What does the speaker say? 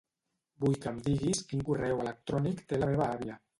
Vull que em diguis quin correu electrònic té la meva àvia.